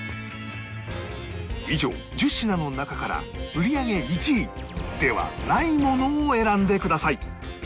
以上１０品の中から売り上げ１位ではないものを選んでください